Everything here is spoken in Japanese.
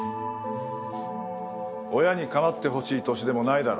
親に構ってほしい年でもないだろ。